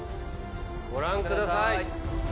ご覧ください。